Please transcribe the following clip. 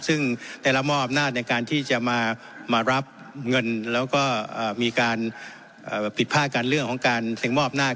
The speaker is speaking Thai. ซึ่งในละมอบนาศในการที่จะมามารับเงินแล้วก็มีการปิดพลาดการเรื่องของการเสียงมอบนาศ